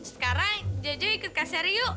sekarang jojo ikut kak sheryl yuk